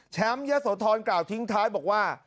ยะโสธรกล่าวทิ้งท้ายบอกว่า